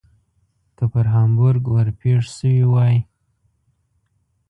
که پر هامبورګ ور پیښ شوي وای.